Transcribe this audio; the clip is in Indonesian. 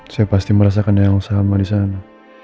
saya pasti merasakan yang sama di sana